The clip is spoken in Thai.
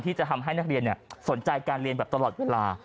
ที่จะทำให้นักเรียนสนใจการเรียนแบบตลอดเวลา